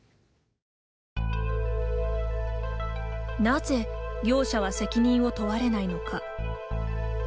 なぜ、業者は責任を問われないのか。